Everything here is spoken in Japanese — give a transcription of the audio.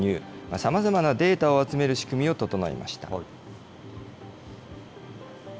さまざまなデータを集める仕組みを整えました。